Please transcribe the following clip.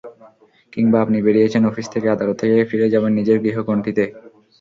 কিংবা আপনি বেরিয়েছেন অফিস থেকে, আদালত থেকে, ফিরে যাবেন নিজের গৃহকোণটিতে।